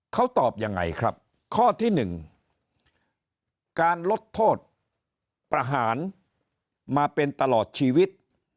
เขาตอบยังไงครับข้อที่๑การลดโทษประหารมาเป็นตลอดชีวิต